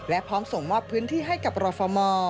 และพร้อมส่งมอบพื้นที่ให้กับรฟม